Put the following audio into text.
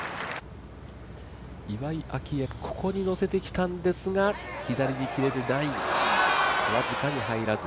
岩井明愛、ここにのせてきたんですが、左に切れるライン僅かに入らず。